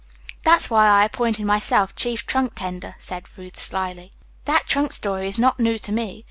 "That's why I appointed myself chief trunk tender," said Ruth slyly. "That trunk story is not new to me.